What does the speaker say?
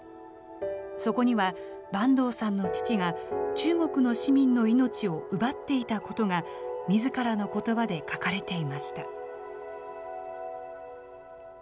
そこには、坂東さんの父が中国の市民の命を奪っていたことが、みずからのことばで書かれていました。